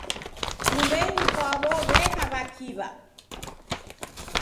Nyumbenyi pwaw'o w'eka w'akiw'a.